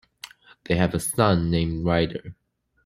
They have a son named Ryder.